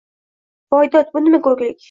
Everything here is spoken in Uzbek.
“Voy dod – bu nima ko‘rgilik!?”